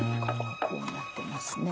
こうなってますね。